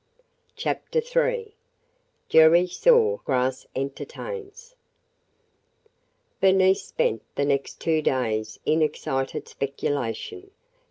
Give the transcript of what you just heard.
CHAPTER III JERRY SAW GRASS ENTERTAINS BERNICE spent the next two days in excited speculation.